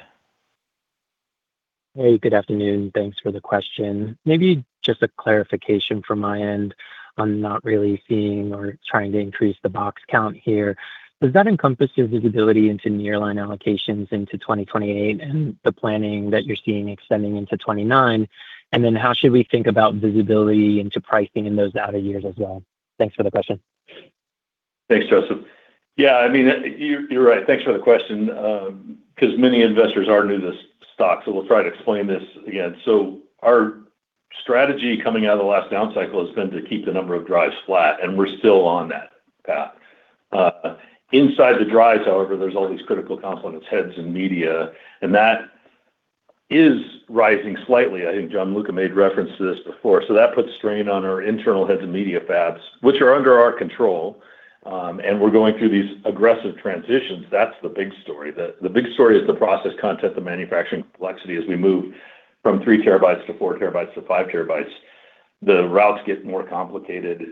Hey, good afternoon. Thanks for the question. Maybe just a clarification from my end on not really seeing or trying to increase the box count here. Does that encompass your visibility into nearline allocations into 2028 and the planning that you're seeing extending into 2029? Then how should we think about visibility into pricing in those outer years as well? Thanks for the question. Thanks, Joseph. Yeah, you're right. Thanks for the question. Many investors are new to this stock, we'll try to explain this again. Our strategy coming out of the last down cycle has been to keep the number of drives flat, we're still on that path. Inside the drives, however, there's all these critical components, heads, and media, that is rising slightly. I think Gianluca made reference to this before. That puts strain on our internal heads and media fabs, which are under our control. We're going through these aggressive transitions. That's the big story. The big story is the process content, the manufacturing complexity as we move from 3 TB to 4 TB to 5 TB. The routes get more complicated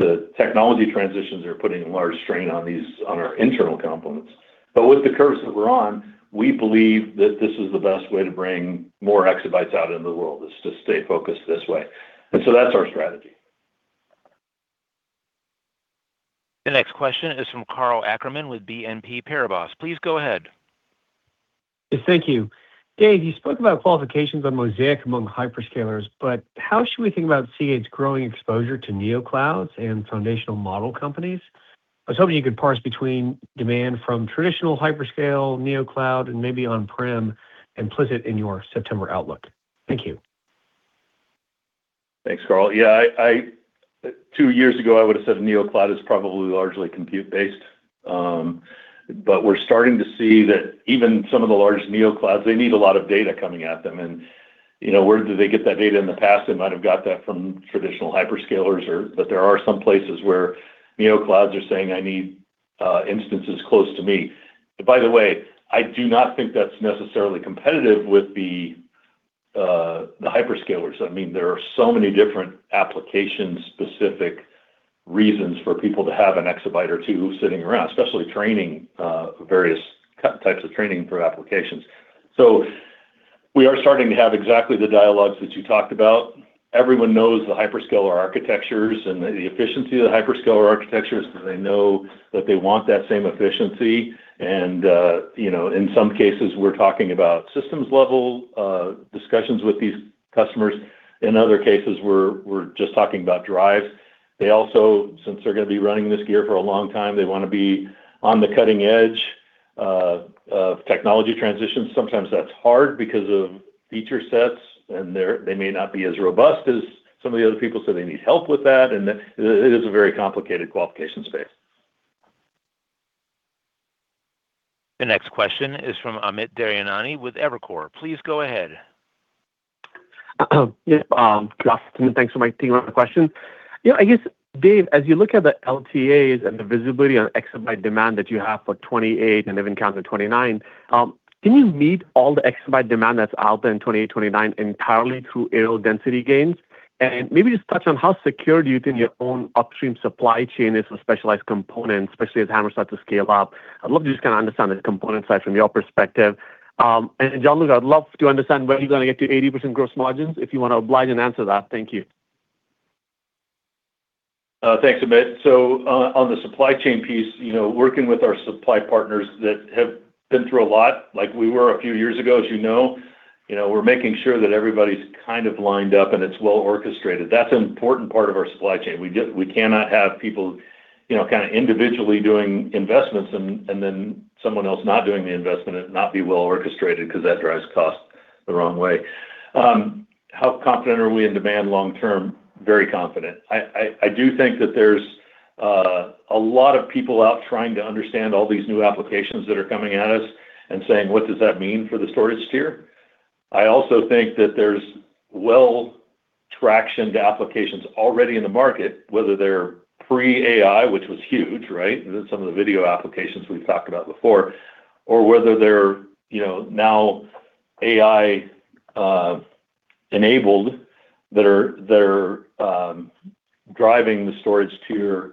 the technology transitions are putting large strain on our internal components. With the curves that we're on, we believe that this is the best way to bring more exabytes out into the world, is to stay focused this way. That's our strategy. The next question is from Karl Ackerman with BNP Paribas. Please go ahead. Yes. Thank you. Dave, you spoke about qualifications on Mozaic among hyperscalers, how should we think about Seagate's growing exposure to NeoClouds and foundational model companies? I was hoping you could parse between demand from traditional hyperscale, NeoCloud, and maybe on-prem implicit in your September outlook. Thank you. Thanks, Karl. Yeah, two years ago, I would've said NeoCloud is probably largely compute based. We're starting to see that even some of the largest NeoClouds, they need a lot of data coming at them, and where did they get that data in the past? They might have got that from traditional hyperscalers, but there are some places where NeoClouds are saying, "I need instances close to me." By the way, I do not think that's necessarily competitive with the hyperscalers. There are so many different application-specific reasons for people to have an exabyte or two sitting around, especially various types of training for applications. We are starting to have exactly the dialogues that you talked about. Everyone knows the hyperscaler architectures and the efficiency of the hyperscaler architectures, and they know that they want that same efficiency. In some cases, we're talking about systems level discussions with these customers. In other cases, we're just talking about drives. They also, since they're going to be running this gear for a long time, they want to be on the cutting edge of technology transitions. Sometimes that's hard because of feature sets, and they may not be as robust as some of the other people, so they need help with that, and it is a very complicated qualification space. The next question is from Amit Daryanani with Evercore. Please go ahead. Good afternoon. Thanks for taking my question. I guess, Dave, as you look at the LTAs and the visibility on exabyte demand that you have for 2028 and even calendar 2029, can you meet all the exabyte demand that's out there in 2028, 2029 entirely through areal density gains? Maybe just touch on how secure do you think your own upstream supply chain is for specialized components, especially as HAMR start to scale up. I'd love to just understand the component side from your perspective. Gianluca, I'd love to understand when you're going to get to 80% gross margins, if you want to oblige and answer that. Thank you. Thanks, Amit. On the supply chain piece, working with our supply partners that have been through a lot, like we were a few years ago, as you know. We're making sure that everybody's lined up and it's well-orchestrated. That's an important part of our supply chain. We cannot have people individually doing investments and then someone else not doing the investment and it not be well-orchestrated because that drives cost. The wrong way. How confident are we in demand long term? Very confident. I do think that there's a lot of people out trying to understand all these new applications that are coming at us and saying, "What does that mean for the storage tier?" I also think that there's well traction to applications already in the market, whether they're pre-AI, which was huge, right? Some of the video applications we've talked about before, or whether they're now AI-enabled, that are driving the storage tier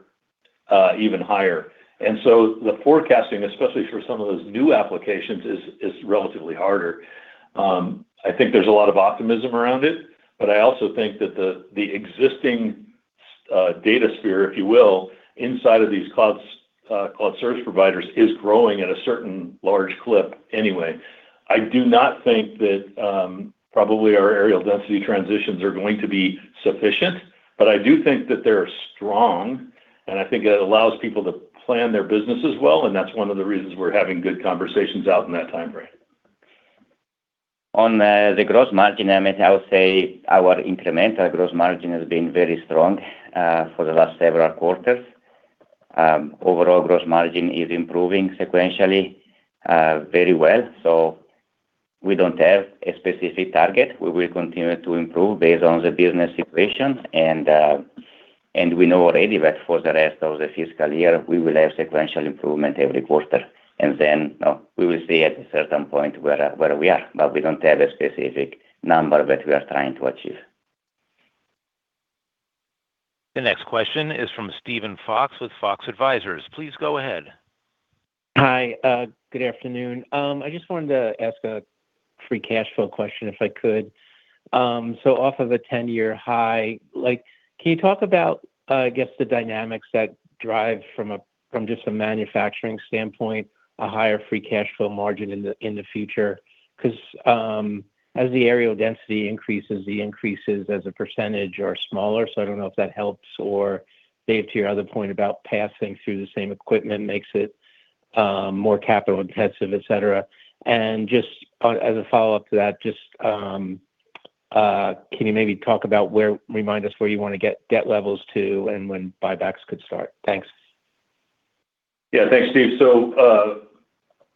even higher. The forecasting, especially for some of those new applications, is relatively harder. I think there's a lot of optimism around it, but I also think that the existing data sphere, if you will, inside of these cloud service providers is growing at a certain large clip anyway. I do not think that probably our areal density transitions are going to be sufficient, but I do think that they're strong, and I think it allows people to plan their businesses well, and that's one of the reasons we're having good conversations out in that time frame. On the gross margin, Amit, I would say our incremental gross margin has been very strong for the last several quarters. Overall gross margin is improving sequentially very well. We don't have a specific target. We will continue to improve based on the business situation. We know already that for the rest of the fiscal year, we will have sequential improvement every quarter. Then we will see at a certain point where we are, but we don't have a specific number that we are trying to achieve. The next question is from Steven Fox with Fox Advisors. Please go ahead. Hi. Good afternoon. I just wanted to ask a free cash flow question, if I could. Off of a 10-year high, can you talk about the dynamics that drive from just a manufacturing standpoint, a higher free cash flow margin in the future? Because as the areal density increases, the increases as a percentage are smaller, I don't know if that helps, or Dave, to your other point about passing through the same equipment makes it more capital intensive, et cetera. Just as a follow-up to that, just can you maybe talk about where, remind us where you want to get debt levels to and when buybacks could start? Thanks. Yeah. Thanks, Steve.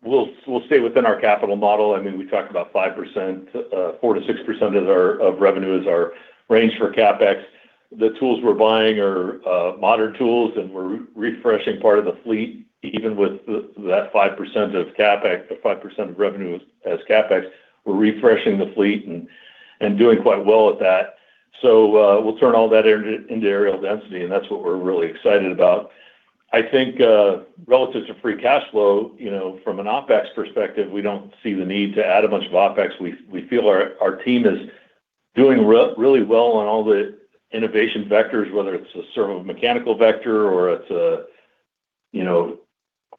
We'll stay within our capital model. We talked about 5%, 4%-6% of revenue is our range for CapEx. The tools we're buying are modern tools, and we're refreshing part of the fleet, even with that 5% of CapEx, the 5% of revenue as CapEx, we're refreshing the fleet and doing quite well at that. We'll turn all that into areal density, and that's what we're really excited about. I think relative to free cash flow, from an OpEx perspective, we don't see the need to add a bunch of OpEx. We feel our team is doing really well on all the innovation vectors, whether it's a servomechanical vector or it's a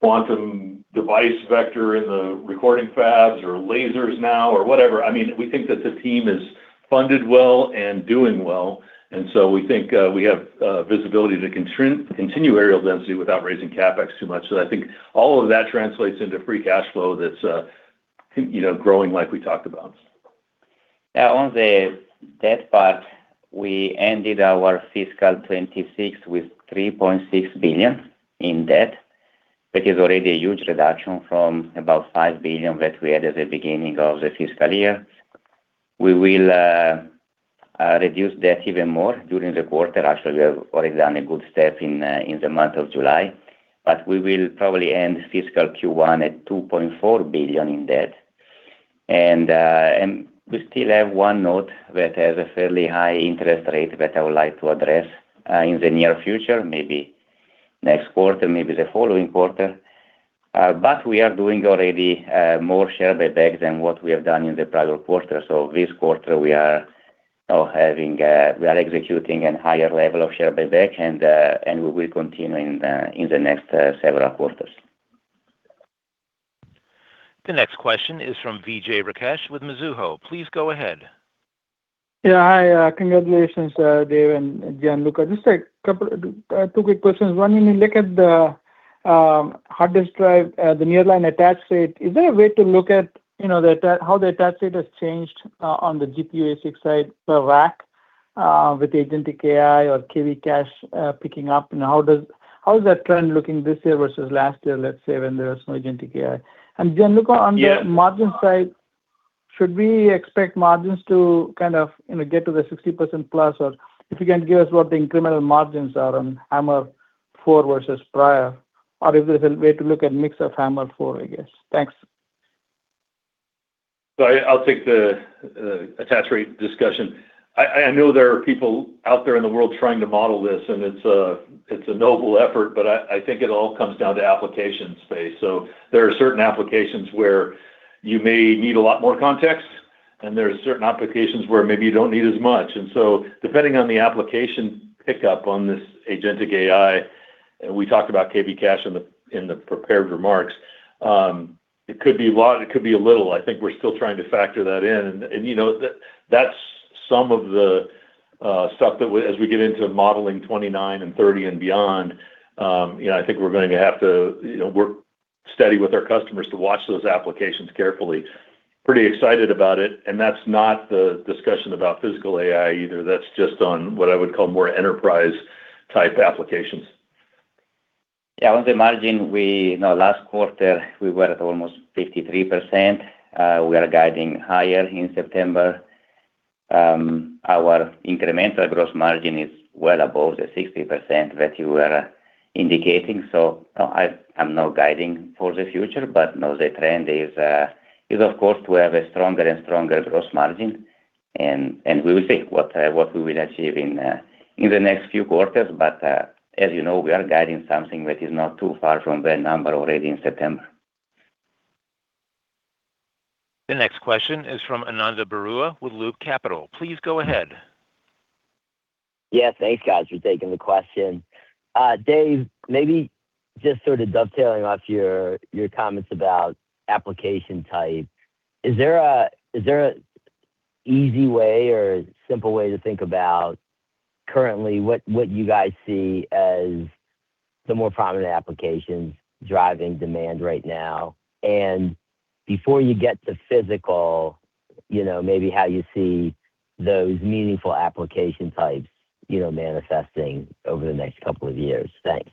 quantum device vector in the recording fabs or lasers now or whatever. We think that the team is funded well and doing well. We think we have visibility to continue areal density without raising CapEx too much. I think all of that translates into free cash flow that's growing like we talked about. On the debt part, we ended our fiscal 2026 with $3.6 billion in debt, which is already a huge reduction from about $5 billion that we had at the beginning of the fiscal year. We will reduce debt even more during the quarter. Actually, we have already done a good step in the month of July, but we will probably end fiscal Q1 at $2.4 billion in debt. We still have one note that has a fairly high interest rate that I would like to address in the near future, maybe next quarter, maybe the following quarter. We are doing already more share buybacks than what we have done in the prior quarter. This quarter we are executing a higher level of share buyback, and we will continue in the next several quarters. The next question is from Vijay Rakesh with Mizuho. Please go ahead. Yeah. Hi. Congratulations, Dave and Gianluca. Just two quick questions. One, when you look at the hard disk drive, the nearline attach rate, is there a way to look at how the attach rate has changed on the GPU ASIC side per rack with agentic AI or KV cache picking up, and how is that trend looking this year versus last year, let's say, when there was no agentic AI? Gianluca, on the margin side, should we expect margins to get to the 60%+, or if you can give us what the incremental margins are on HAMR four versus prior, or is there a way to look at mix of HAMR four, I guess? Thanks. I'll take the attach rate discussion. I know there are people out there in the world trying to model this, it's a noble effort, I think it all comes down to application space. There are certain applications where you may need a lot more context, there are certain applications where maybe you don't need as much. Depending on the application pickup on this agentic AI, we talked about KV cache in the prepared remarks, it could be a lot, it could be a little. I think we're still trying to factor that in, that's some of the stuff that as we get into modeling 2029 and 2030 and beyond, I think we're going to have to work steady with our customers to watch those applications carefully. Pretty excited about it, that's not the discussion about physical AI either. That's just on what I would call more enterprise type applications. Yeah, on the margin, last quarter, we were at almost 53%. We are guiding higher in September. Our incremental gross margin is well above the 60% that you were indicating. I'm now guiding for the future, no, the trend is of course to have a stronger and stronger gross margin, we will see what we will achieve in the next few quarters. As you know, we are guiding something that is not too far from that number already in September. The next question is from Ananda Baruah with Loop Capital. Please go ahead. Yeah. Thanks, guys, for taking the question. Dave, maybe just sort of dovetailing off your comments about application type, is there an easy way or a simple way to think about currently what you guys see as the more prominent applications driving demand right now? Before you get to physical, maybe how you see those meaningful application types manifesting over the next couple of years. Thanks.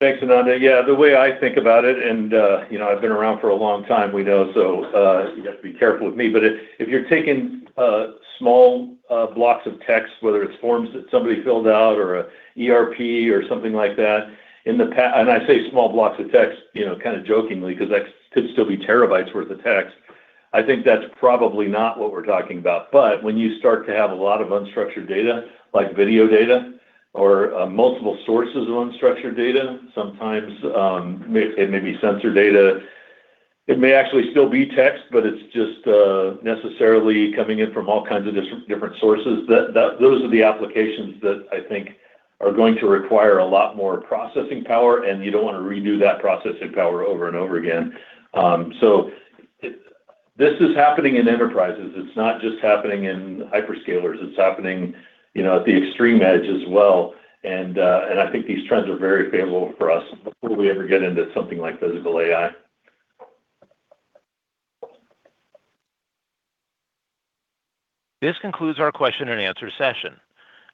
Thanks, Ananda. Yeah, the way I think about it, and I've been around for a long time, you know, so you have to be careful with me, but if you're taking small blocks of text, whether it's forms that somebody filled out or an ERP or something like that, and I say small blocks of text kind of jokingly, because that could still be terabytes worth of text. I think that's probably not what we're talking about. When you start to have a lot of unstructured data, like video data or multiple sources of unstructured data, sometimes it may be sensor data. It may actually still be text, but it's just necessarily coming in from all kinds of different sources. Those are the applications that I think are going to require a lot more processing power, and you don't want to redo that processing power over and over again. This is happening in enterprises. It's not just happening in hyperscalers. It's happening at the extreme edge as well. I think these trends are very favorable for us before we ever get into something like physical AI. This concludes our question-and-answer session.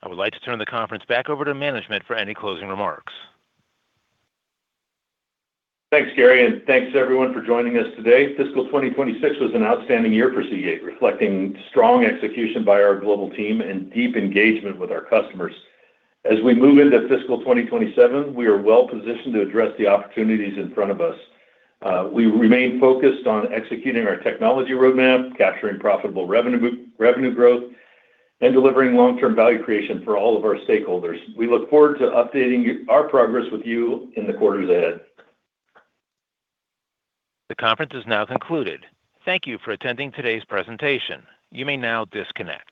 I would like to turn the conference back over to management for any closing remarks. Thanks, Gary, and thanks everyone for joining us today. Fiscal 2026 was an outstanding year for Seagate, reflecting strong execution by our global team and deep engagement with our customers. As we move into fiscal 2027, we are well-positioned to address the opportunities in front of us. We remain focused on executing our technology roadmap, capturing profitable revenue growth, and delivering long-term value creation for all of our stakeholders. We look forward to updating our progress with you in the quarters ahead. The conference is now concluded. Thank you for attending today's presentation. You may now disconnect.